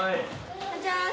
こんにちはっす。